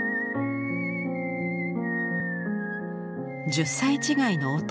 １０歳違いの弟